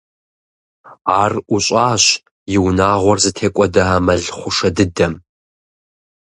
Ар ӀущӀащ и унагъуэр зытекӀуэда а мэл хъушэ дыдэм.